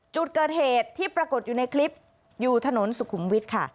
จุดเกิดเหตุที่ปรากฏอยู่ในคลิปอยู่ถนนสุขุมวิทย์ค่ะ